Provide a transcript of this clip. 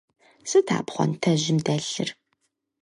Сыт а пхъуантэжьым дэлъыр?